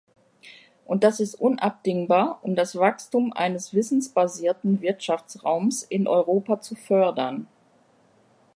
Und das ist unabdingbar, um das Wachstum eines wissensbasierten Wirtschaftsraums in Europa zu fördern.